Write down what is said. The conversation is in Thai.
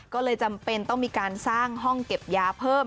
ก็เลยจำเป็นต้องมีการสร้างห้องเก็บยาเพิ่ม